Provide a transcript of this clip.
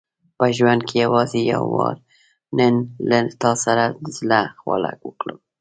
په ژوند کې یوازې یو وار نن له تا سره د زړه خواله وکړم.